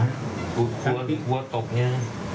รู้หล่ะรู้บินต่อการเบี้ยง